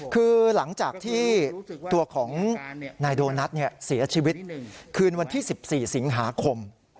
คือหลังจากที่ตัวของนายโดนัทเสียชีวิตคืนวันที่๑๔สิงหาคม